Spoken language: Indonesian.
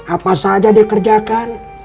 apa saja dikerjakan